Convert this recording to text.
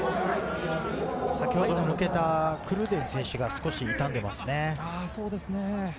先ほど抜けたクルーデン選手が少し痛んでいますね。